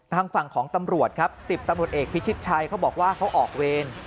ทางฝั่งของตำรวจครับ๑๐ตำรวจเอกพิชิตชัยเขาบอกว่าเขาออกเวร